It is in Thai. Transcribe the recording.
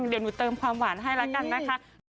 เดี๋ยวหนูเติมความหวานให้แล้วกันนะคะ